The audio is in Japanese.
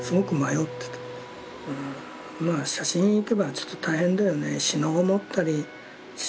まあ写真に行けばちょっと大変だよね。